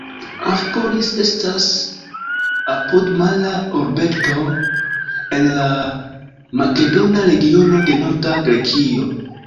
Amfipolis estas apudmara urbeto en la makedona regiono de norda Grekio.